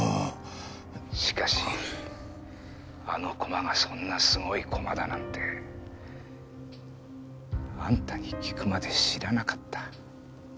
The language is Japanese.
「しかしあの駒がそんなすごい駒だなんて」あんたに聞くまで知らなかった。